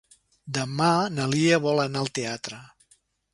Demà na Lia vol anar al teatre.